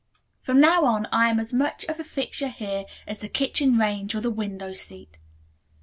From now on I am as much of a fixture here as the kitchen range or the window seat."